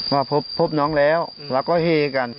มาพบน้องแล้วแล้วก็เฮกัน